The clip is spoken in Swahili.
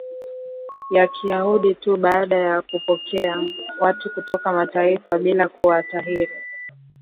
la Kiyahudi tu Baada ya kupokea watu kutoka mataifa bila kuwatahiri